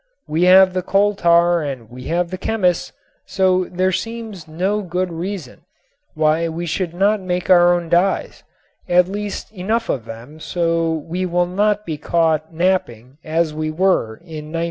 We have the coal tar and we have the chemists, so there seems no good reason why we should not make our own dyes, at least enough of them so we will not be caught napping as we were in 1914.